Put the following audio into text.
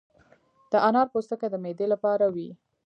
د انار پوستکي د معدې لپاره دي.